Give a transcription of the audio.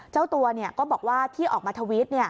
เจ้าตัวก็บอกว่าที่ออกมาทวิต